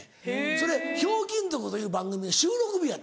それ『ひょうきん族』という番組の収録日やってん。